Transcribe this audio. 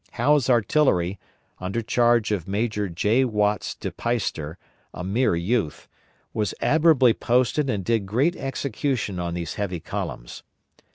Howe's artillery, under charge of Major J. Watts de Peyster, a mere youth, was admirably posted and did great execution on these heavy columns.